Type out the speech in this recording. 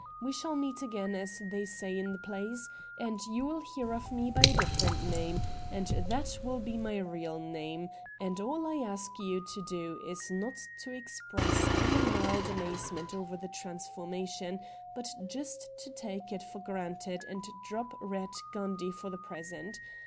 We shall meet again, as they say in the plays, and you will hear of me by a different name, and that will be my real name — and all I ask you to do is not to express any wild amazement over the transformation, but just to take it for granted and drop Eatt Gundy for the present.